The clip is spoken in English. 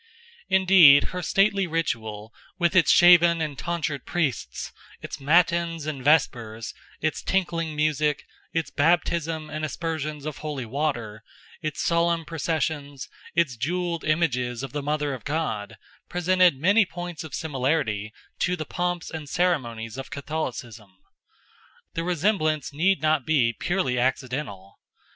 Indeed her stately ritual, with its shaven and tonsured priests, its matins and vespers, its tinkling music, its baptism and aspersions of holy water, its solemn processions, its jewelled images of the Mother of God, presented many points of similarity to the pomps and ceremonies of Catholicism. The resemblance need not be purely accidental.